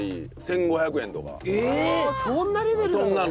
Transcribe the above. そんなレベルなの？